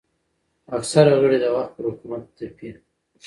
اکثره غړي د وخت پر حکومت تپي